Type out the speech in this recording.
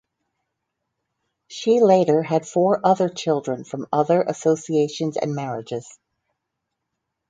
She later had four other children from other associations and marriages.